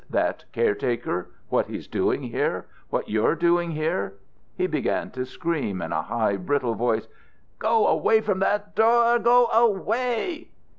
That 'caretaker'? What he's doing here? What you're doing here? " He began to scream in a high, brittle voice: "_Go away from that door! Go away!